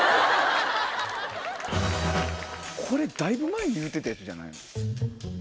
これだいぶ前に言うてたやつじゃないの？